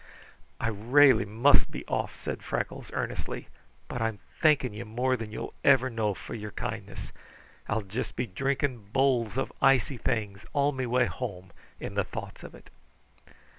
"I railly must be off," said Freckles earnestly, "but I'm thanking you more than you'll ever know for your kindness. I'll just be drinking bowls of icy things all me way home in the thoughts of it."